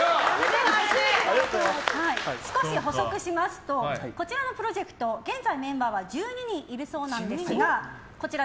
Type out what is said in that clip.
少し補足しますとこちらのプロジェクト現在メンバーは１２人いるそうなんですが。